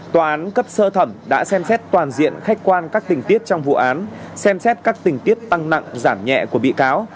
tòa án cấp sơ thẩm đã xem xét toàn diện khách quan các tình tiết trong vụ án xem xét các tình tiết tăng nặng giảm nhẹ của bị cáo